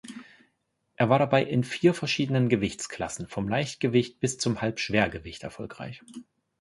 Er war dabei in vier verschiedenen Gewichtsklassen, vom Leichtgewicht bis zum Halbschwergewicht, erfolgreich.